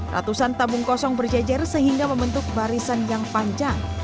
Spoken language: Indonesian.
ratusan tabung kosong berjejer sehingga membentuk barisan yang panjang